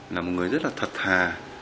là một người rất là thật thà